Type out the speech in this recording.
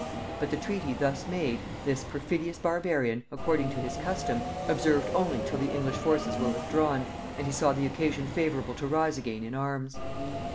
But the treaty thus made, this perfidious barbarian, according to his custom, observed only till the English forces were withdrawn and he saw the occasion favorable to rise again in arms.